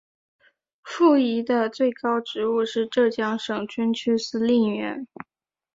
傅怡的最高职务是浙江省军区司令员。